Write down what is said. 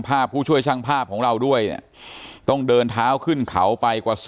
ผู้ช่วยช่างภาพของเราด้วยเนี่ยต้องเดินเท้าขึ้นเขาไปกว่า